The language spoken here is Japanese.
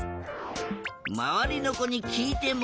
まわりのこにきいても。